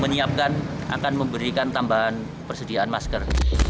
menyiapkan akan memberikan tambahan persediaan masker